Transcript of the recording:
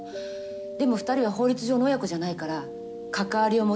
でも２人は法律上の親子じゃないから関わりを持てなくなる可能性もある。